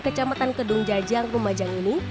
kecamatan kedung jajang lumajang ini